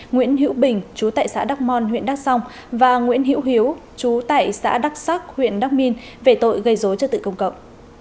nguyễn bình chú tệ xã đắk mon huyện đắk song và nguyễn hiễu hiếu chú tệ xã đắk sắc huyện đắk minh về tội gây dối cho tự công cộng